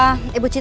tante andis jangan